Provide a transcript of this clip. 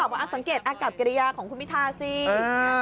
อ๊ะสังเกตอ้ากับเกรียร์ของคุณพิท่าสิ